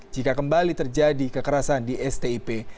jika kembali terjadi kekerasan di stip